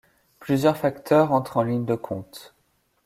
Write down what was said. Plusieurs facteurs entrent en ligne de compte.